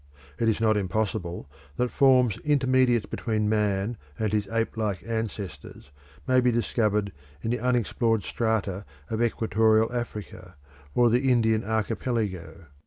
It is not impossible that forms intermediate between man and his ape like ancestors may be discovered in the unexplored strata of equatorial Africa, or the Indian Archipelago.